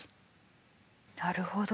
なるほど。